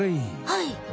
はい。